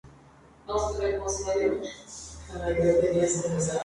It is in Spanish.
El partido está clasificada como de derecha o de extrema derecha.